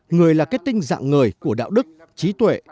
người là kết tinh dạng người của đạo đức trí tuệ